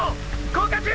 降下中。